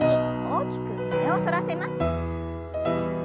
大きく胸を反らせます。